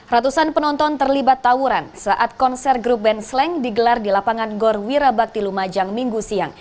ratusan penonton terlibat tawuran saat konser grup band sleng digelar di lapangan gor wirabakti lumajang minggu siang